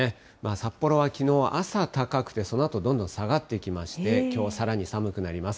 札幌はきのう朝高くて、そのあとどんどん下がっていきまして、きょうはさらに寒くなります。